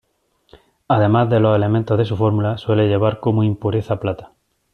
Además de los elementos de su fórmula, suele llevar como impureza plata.